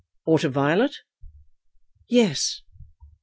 "Or to Violet?" "Yes."